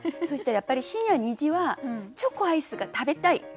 そしたらやっぱり深夜２時はチョコアイスが食べたい！